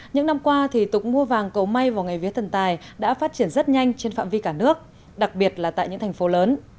những năm qua thì tục mua vàng cầu may vào ngày vía thần tài đã phát triển rất nhanh trên phạm vi cả nước đặc biệt là tại những thành phố lớn